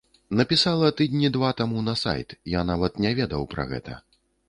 Напісала тыдні два таму на сайт, я нават не ведаў пра гэта.